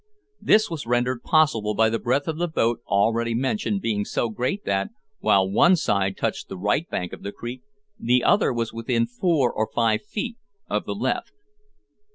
This was rendered possible by the breadth of the boat already mentioned being so great that, while one side touched the right bank of the creek, the other was within four or five feet of the left.